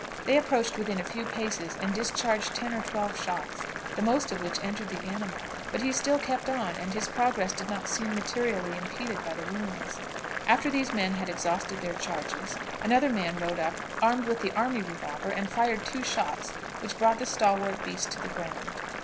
They approached within a few paces, and discharged ten or twelve shots, the most of which entered the animal, but he still kept on, and his progress did not seem materially impeded by the wounds. After these men had exhausted their charges, another man rode up armed with the army revolver, and fired two shots, which brought the stalwart beast to the ground.